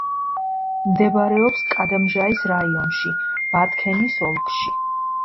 მდებარეობს კადამჟაის რაიონში, ბათქენის ოლქში.